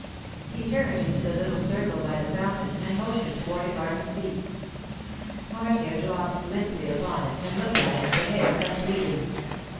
He turned into the little circle by the fountain and motioned toward a garden seat. Marcia dropped limply upon it and looked at him with an air of pleading.